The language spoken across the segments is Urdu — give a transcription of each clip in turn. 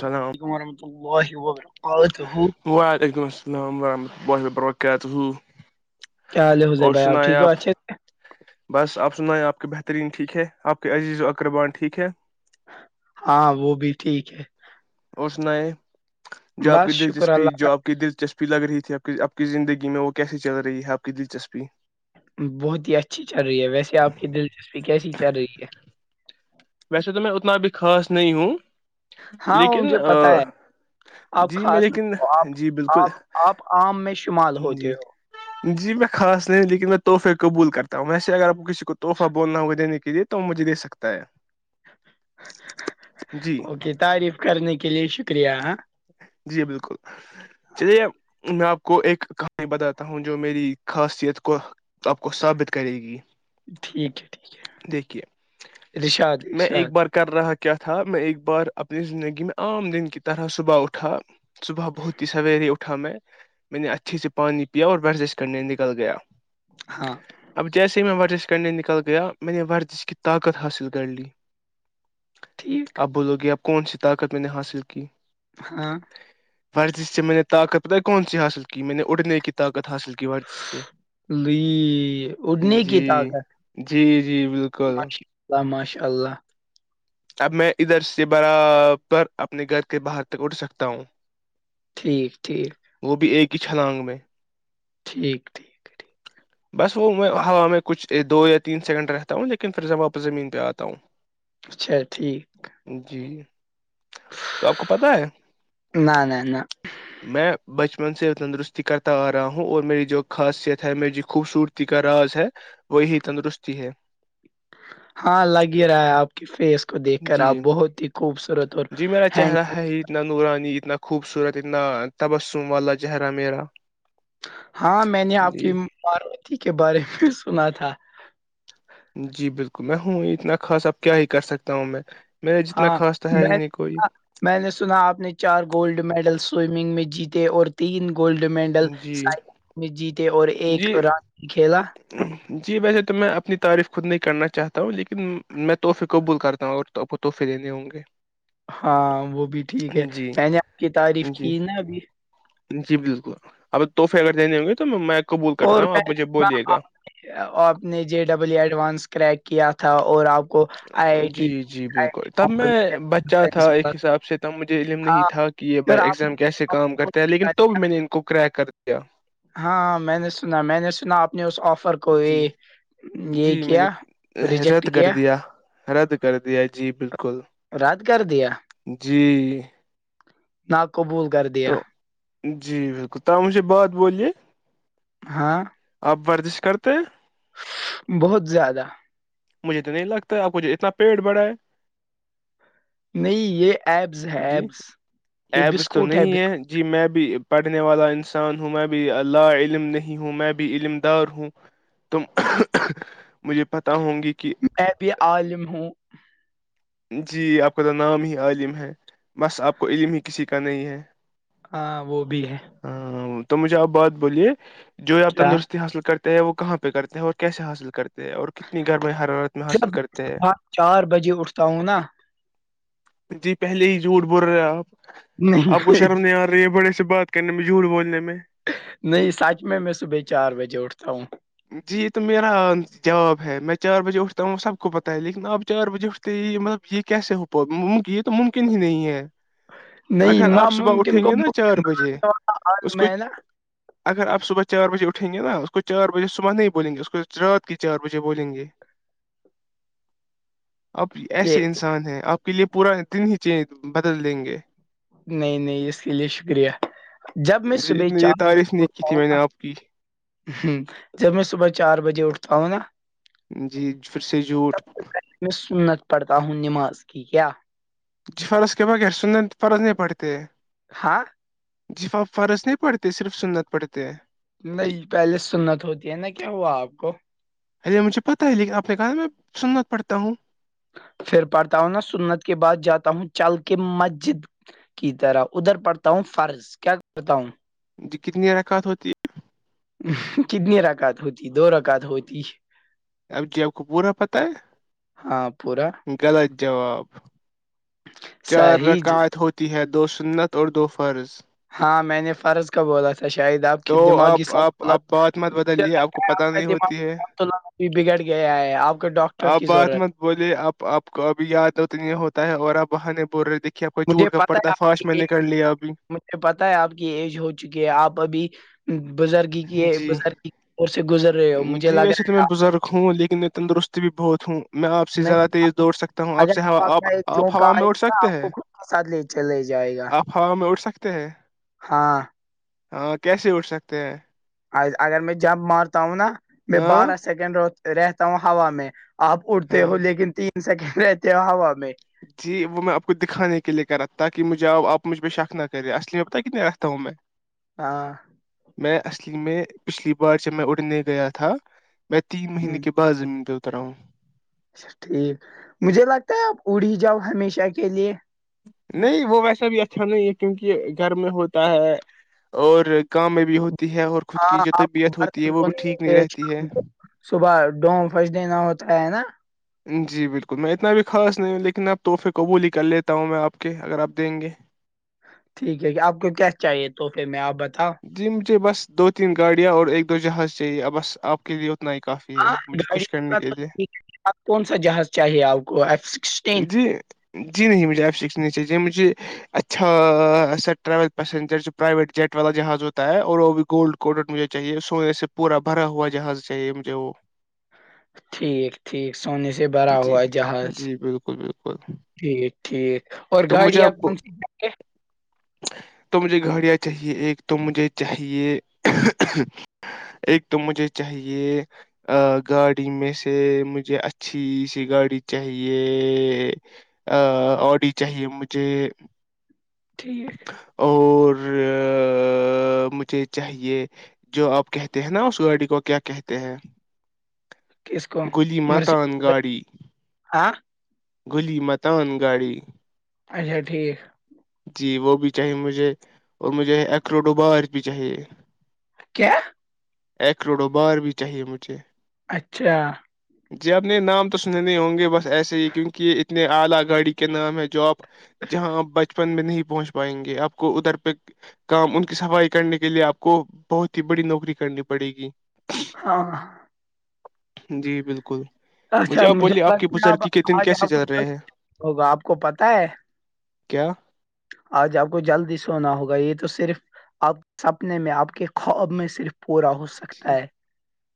سناا مار مط وہ ہو پیرا تو ہو وعلیکم السلام ورحمۃ اللہ و ببرکاتہ چلے ہز بائی آؤ ٹھیک اچے بس آپ سنائیں آپ کے بہترین ٹھیک ہے آپ کے عزیز و اقربان ٹھیک ہے ہاں وہ بھی ٹھیک ہے اور سن ہے جاب بس کی شکر دلچسپی اللہ جاب کی دلچسپی لگ رہی تھی ا اب کی زندگی میں وہ کیسے چل رہی ہے آپ کی دلچسپی بہت ہی اچھی چل رہی ہے ویسے آپ کی دلچسپی کیسی چل رہی ہے ویسے تو میں اتنا بھی خاص نہیں ہوں ہاں وہ لیکن مجھے پتا ہے آپ جی میں خاص نہ لیکن ہو، آپ جی بالکل آپ آپ عام میں شمال جی ہوتے ہو جی میں خاص نہیں لیکن میں تحفے قبول کرتا ہوں میں سے اگر آپ کو کسی کو تحفہ بولنا ہوا دینے کے لیے تو مجھے سکتا ہے جی اوکے تعریف کرنے کے لیے شکریہ ہاں جی بالکل چلیے میں آپ کو ایک کہانی بتاتا ہوں جو میری خاصیت کو آپ کو ثابت کرے گی ٹھیک ہے ٹھیک ہے دیکھیے ررشاداد میں ایک ارشاد بار کر رہا کیا تھا میں ایک بار اپنی زندگی میں عام دن کی طرح صبح اٹھا صبح بہت ہی سویرے اٹھا میں میں نے اچھھیے سے پانی پیا اور ورزش کرنے نکل گیا ہاں اب جیسے ہی میں ورزش کرنے نکل گیا میں نے ورزش کی طاقت حاصل کر لی اھ ٹھیک اب بولو گے آپ کون سی طاقت میں نے حاصل کی ہاں ورزش سے میں نے طاقت پت کون سی حاصل کی میں نے اڑنے کی طاقت حاصل کی ورزش سے لی اڑنے کی جی طاقت جی جی بالکل اللہ ماشاء اللہ اب میں ادھر سے برابر اپنے گھر کے باہر تک اٹھ سکتا ہوں ٹھیک ٹھیک وہ بھی ایک ہی چھلانگ میں ٹھیک ٹھیک ٹھیک [inaudible] بس وہ میں ہوا میں کچھ دو یا تین سیکنڈ رہتا ہوں لیکن پھر جب واپس زمین پہ آتا ہوں اچھا ٹھیک جی تو آپ کو پت ہے نہ نہ نہ میں بچپن سے تندرستی کرتا آ رہا ہوں اور میری جو خاصیت ہے میری جو خوبصورتی کا راز ہے وہی تندرستی ہے ہاں لگ ہی رہا ہے آپ کی فیس کو دیکھ کر جی آپ بہت ہی خوبصورت اور جی میرا ہینڈ چہرہ ہے ہی اتنا نورانی اتنا خوبصورت اتنا تبسم والا چہرہ میرا ہاں میں نے آپ جی کی ماروتی کے بارے میں سنا تھا جی بالکل میں ہوں اتنا خاص آپ کیا ہی کر سکتے تا ہوں میں میر ج اتنا ہاں خاص تو ہے ہی میں نہیں کوئی میں نے سنا آپ نے چار گولڈ میڈل سوئمنگ میں جیتے اور تین گولڈ میڈل جی سائ میں جیتے اور ایک جی ران کھیلا جی ویسے تو میں اپنی تعریف خود نہیں کرنا چاہتا ہوں لیکن میں تحفے قبول کرتا ہں اور توپ تو پریےنے ہوں گے ہاں وہ بھی ٹھیک ہے جی میں نے آپ کی تعریف جی کی نا ابھی جی بالکل اب تحفے اگر دینے ہوں گے تو میں میں قبول اور کرتا ہوں میں آپ نے مجھے بولیے سنا گا آپ نے جے ڈبلو ایڈوانس کریک کیا تھا اور آپ کو آئی آئی ٹی جی جی آئی آئی ٹی بالکل تب بامبے میں بچہ تھا میں ایک حساب سے تب مجھے علم نہیں ہاں تھا کہ یہ پھر بھائی آپ ایگزام کیسے کام کرتا ہے لیکن نے، تب میں نے ان کو کریک کر دیا ہاں میں نے سنا میں نے سنا آپ نے اس آفر کو کوئی جی یہ جی میں کیا نے ریجیکٹ رد کر کیا دیا رد کر دیا جی بالکل رد کر دیا جی نہا قبول کرتے تو جی بالکل تاہ مش بعات بولیے ہاں آپ ورزش کرتے ہیں بہت زیادہ مجھے تو نہیں لگتا اب کجھ اتنا پیڑ بڑا ہے نہیں یہ ایبز ہے جی ایبس یہ ایبس تو بسکٹ ہے نہیں بسکٹ جی میں بھی پڑھنے والا انسان ہوں میں بھی لا علم نہیں ہوں میں بھی علم دار ہوں تم مجھے پتا ہوں گی کہ میں بھی عالم ہوں جی آپ کا تو نام ہی عالم ہے بس آپ کو علم ہی کسی کا نہیں ہے ہاں وہ بھی ہے ہاں تو مجھے آپ بات بولیے جو آپ کیا تندرستی حاصل کرتے وہ کہاں پہ کرتے ہیں اور کیسے حاصل کرتے اور کتنی گھر میں حرارت میں حاصل جب کرتے ہیں صبح چار بجے اٹھتا ہوں نا جی پہلے ہی جھوٹ بول رہے آپ آپ کو نہیں شرم نہیں آ رہی ہے بڑے سے بات ک مشہور بولنے میں نہیں سچ میں میں صبح چار بجے اٹھتا ہوں جی یہ تو میرا جاب ہے میں چار بجے اٹھتا ہوں سب کو پتاہ ہے لیکن اب چار بجے اٹتا تو یہ مطلب یہ کیسے ہو یہ تو ممکن ہی نہیں ہے نہیں اگر آپ صبح ناممکن اٹھیں کو گے نا ممکن، چار بجے اس کو میں نا اگر آپ صبح چار بجے اٹھیں گے نا اس کو چار بجے صبح نہیں بولیں گے اس کو رات کے چار بجے بولیں گے آپ یہ ایسے انسان ہیں آپ کے لیے پورا دن ہی چینج بدل دیں گے نہیں نہیں اس کے لیے شکریہ جب میں جی صبح اتنی یہ چار بجے تعریف نہیں کی اٹھتا تھی ہوں میں نے نا آپ کی ہ جب میں صبح چار بجے اٹھتا ہوں نا جی پھر سے جھوٹ تب سے میں سنت پڑھتا ہوں نماز کی کیا جی فرض کے با گ س فرض نہیں پڑتے ہاں جفا فرض نہیں پڑھتے صرف سنت پڑتے ہیں نہیں پہلے سنت ہوتی ہے نا کیا ہوا آپ کو ارے مجھے پتا ہے لیکن آ اپنے کہا میں سنت پڑتا ہوں پھر پڑھتا ہوں نا سنت کے بعد جاتا ہوں چل کے مسجد کی طرح ادھر پڑھتا ہوں فرض کیا کرتا ہوں جی کتنی ررکت ہوتی ہے کتنی رکعت ہوتی دو رکعت ہوتی اب جی آپ کو بورا پت ہے ہاں پورا غلط جواب چار صحیح رکاعت ہوتی ہے دو سنت اور دو فرض ہاں میں نے فرض کا بولا تھا شاید آپ کے تو دماغی آپ آپ سولت آپ بات مت بدلیے آپ کو پتا نہیں ہوتی ہے تو بھی بگڑ گیا ہے آپ کو ڈاکٹر کی آپ بات ضرورت مت بولے اب آپ کو اب یاد تو نہیں ہوتا ہے اور آپ وہ نے بول رہے دیکھے آپ مجھے جھٹ کپڑتا فاش میں نے کر لیا ابھی یہ پتہ ہے آپ کی ایج ہو چکی ہے آپ ابھی بزرگی کے جی بزرگی کی سے گزر رہے ہو مجھے جی لگ ویسے تو میں رہا ہے بزرگ ہوں لیکن میں تندرست بھی بہت ہوں میں آپ سے زیادہ نہیں تیز آپ دوڑ سکتا ہوں آپ اگر سے آپ کا ایک آپ جھونکا ہوا میں آئے اڑ گا سکتے آپ ہیں کو خود ساتھ لیے چلے جائے گا آپ ہوا میں اٹھ سکتے ہیں ہاں ہاں کیسے اٹھ سکتے ہیں اگر میں جمپ مارتا ہوں نا میں ہاں بارہ سیکنڈ رہتا ہوں ہوا میں آپ اڑتے ہو ہاں لیکن تین سیکنڈ رہتے ہو ہوا میں جی وہ میں آپ کو دکھانے کے لیے کر رہا تھا تاک کہ مجھے آؤ آپ مجھ پے شک نہ کرے اصل میں بت کتنے رہتا ہوں میں [unintelligible] ہاں میں اصلی میں پچھلی بار جب میں اڑنے گیا تھا میں تین مہینے کے بعد بعض زمین پہ اتر ہوں اچا ٹھیک مجھے لگتا ہے آپ اڑی جاؤ ہمیشہ کے لیے نہیں وہ ویسا بھی اچھا نہیں ہے کیونکہ گھر میں ہوتا ہے اور کام میں بھی ہوتی ہے اور خود کی ہاں جو آپ کو طبیعت ہوتی ہے برتن وہ بھی دھونے ٹھیک نہیں ہوتے ہیں، رہتی ہے شام کو صبح ڈوم فرسٹ ڈےین ہوتا ہے نا جی بالکل میں اتنا بھی خاص نہیں ہوں لیکن اب تحفے قبول ہی کر لیتا ہوں میں آپ کے اگر آپ دیں گے ٹھیک ہے کہ آپ کو کیا چاہیے تو پھر میں آپ بتاؤ جی مجھے بس دو تین گاڑیاں اور ایک دو جہاز چاہیے بس آپ کے لیے ات ہی کافی ہے ہاں مجھے گاڑی خوش کرنے کے لیے آپ کون سا جہاز چاہیے آپ کو جی جی نہیں مجھے ایف سک چاہیے مجھے اچھا سا ٹریول پیسنجر جو پرائیویٹ جیٹ والا جہاز ہوتا ہے اور وہ بھی گولڈ کوڈٹ مجھے چاہیے سونے سے پورا بھرا ہوا جہاز چاہیے مجھے وہ ٹھیک ٹھیک سونے سے بھرا جی ہوا جہاز جی بالکل بالکل ٹھیک ٹھیک اور تو گاڑی آپ کون سی گے توم مھے گاڑیاں چاہیے ایک تم مجھے چاہیے ایک تو مجھے چاہیے گاڑی میں سے مجھے اچھی سی گاڑی چاہیے آڈی چاہیے مجھے ٹھیک اور مجھے چاہیے جو آپ کہتے ہیں نا اس گاڑی کو کیا کہتے ہیں کس کو گلی مرسی متان گاڑی ہاں گلی متان گاڑی اچھا ٹھیک جی وہ بھی چاہیے مجھے اور مجھے ایکروڈو بار بھی چاہیے کیا ایک کروڑوں بار بھی چاہیے مجھے اچھا جی یہ اپنے نام تو سنے ہوں گے بس ایسے ہی کیونکہ اتنے اعلی گاڑی کے نام ہیں جو اپ جہاں آپ بچپن میں نہیں پہنچ پائیں گے آپ کو ادھر پہ کام ان کی صفائی کرنے کے لیے آپ کو بہت ہی بڑی نوکری کرنی پڑے گی ہاںاں جی بالکل اچھا مجھے آپ بولیے آپ کی لگتا ہے اب بزرگی کے دن آج کیسے آپ کو چل رہے جلد ہیں ہوگا آپ کو پتا ہے کیا آج آپ کو جلدی سونا ہوگا یہ تو صرف آپ سپنے میں آپ کے خواب میں صرف پورا ہو سکتا ہے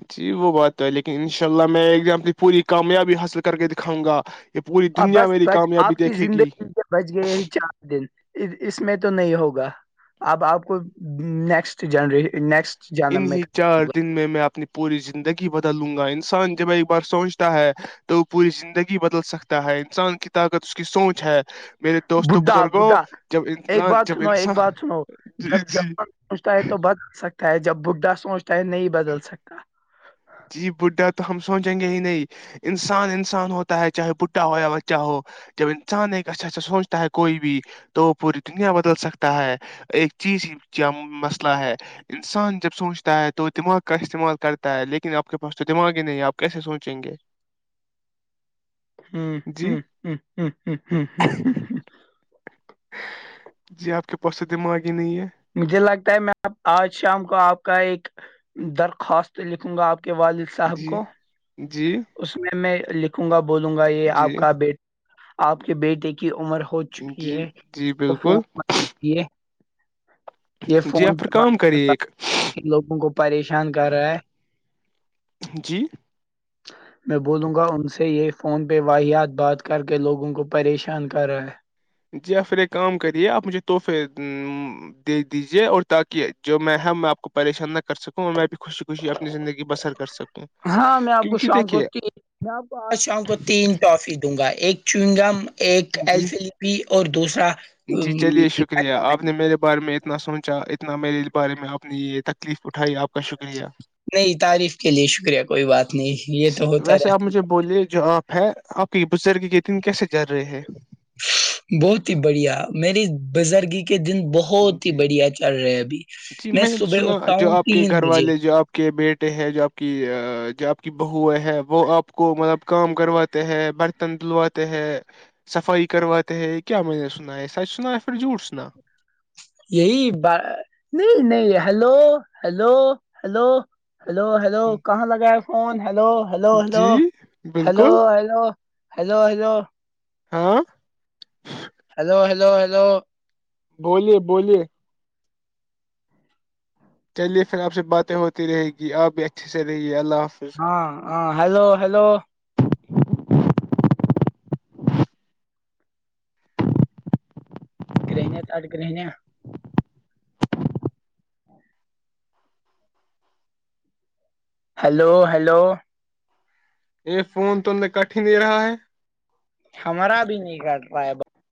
ہچ جی وہ بات ہے لیکن ان شاء اللہ میں ایکنی پوری کامیابی حاصل کر کے دکھاؤ گا یہ پوری آ دنیا بس میری بچ کامیابی آپ کی دیکھے گی زندگی بچ گئے ہی چار دن اس میں تو نہیں ہوگا اب آپ کو نیکسٹ جنری نیکسٹ ان جنم میں ہی کرنا چارج دن میں میں اپنی پوری زندگی بدل لوں گا انسان جب ایک بار سوچتا ہے تو وہ پوری زندگی بدل سکتا ہے انسان کی طاقت اس کی سوچ ہے میرے ہوگا دوست بڈھا بزرگوں بڈھا جب ایک انان بات جب سنو ایک انسان بات سنو ج جب جی جوان سوچتا ہے تو بد سکتا ہے جب بڈھا سوچتا ہے نہیں بدل سکتا جی بڈھا تو ہم سوچیں گے ہی نہیں انسان انسان ہوتا ہے چاہے بڈھا ہو یا بچہ ہو جب انسان ایک اچھاھا سوچتا ہے کوئی بھی تو وہ پوری دنیا بدل سکتا ہے ایک چیز ہی جم مسئلہ ہے انسان جب سوچتا ہے تو دماغ کا استعمال کرتا ہے لیکن ن آپ پاس تو دماغ ہی نہیں آپ کیسے سوچیں گے جی ہ ہ ہ جی آپ کے پاس سے دماغ ہی نہیں ہے مجھے لگتا ہے میں آج شام کو آپ کا ایک درخواست لکھوں گا آپ کے والد سے صاحب جی کو جی اس میں میں لکھوں گا بولوں گا یہ جی آپ کا بیٹ آپ کے بیٹے کی عمر ہو چکی جی ہے جی بالکل یہ جی فون آپ پھر کام کریے ایک پہ لوگوں کو پریشان کر رہا ہے جی میں بولوں گا ان سے یہ فون پہ واحت بات کر کے لوگوں کو پریشان کر رہا ہے جی آپ پھر ایک کام کریے آپ مجھے تحفے دے دیجیے اور تاکہ جو میں ہ میں آپ کو پریشان نہ کر سکوں اور میں بھی خوشی خوشی اپنی زندگی بسر کر سکوں ہاں میں آپ کو کیونکہ شام کو دیکھیے میں آپ کو آج شام کو تین ٹافی دوں گا ایک چوئ گا ایک ایل جی فلپی اور دوسرا جی چلیے شکریہ ام، آپ نے میرے بارے میں اتنا سوچا اتنا میرے اس بارے میں آپ نے یہ تکلیف اٹھائی آپ نے نہیں تعریف کے لیے شکریہ کوئی بات نہیں یہ تو ہوتا رہتا بولے جو آپ ہے آپ کے بزرگ یہ دن کیسے جر رہے ہیں بہت ہی بڑھیا میری بزرگی کے دن بہت بہت ہی جی بڑھیا چل رہے ابھی جی میں نے تو صبح سنا اٹھتا جو ہوں آپ کے تین گھر بجے والے جو آپ کے بیٹے ہے جو آپ کی جو آپ کی بہ ہے وہ آپ کو مطلب کام کرواتے ہے بر تن دھلواتے ہیں صفائی کرواتے ہیں کیا میں نے سنا ہے سچ سنا ہے پھر جھوٹ سنا یہی نہیں نہیں hello hello hello hello hello کہاں لگا ہے فون ہلو ہلو ہلو جی ہلو بالکل ہلو ہلو ہلو ہاں ہیلو ہیلو ہیلو بولیے بولیے چلیے پھر آپ سے باتیں ہوتی رہے گی آپ بھی اچھے سے رہیے اللہ حافظ ہاں ہاں ہیلو ہلو گرہنیا آج رہہنں ہیلو ہیلو یہ فون تو کٹ نہیں دے رہا ہے ہمارا بھی نہیں کاٹ رہا ہے ب